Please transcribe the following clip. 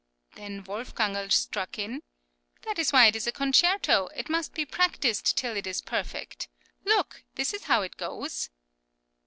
Then Wolfgangerl struck in: "That is why it is a concerto; it must be practised till it is perfect; look! this is how it goes."